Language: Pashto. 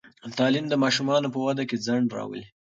تعلیم د ماشومانو په واده کې ځنډ راولي.